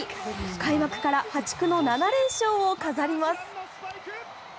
開幕から破竹の７連勝を飾ります。